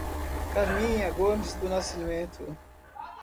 Carminha Gomes do Nascimento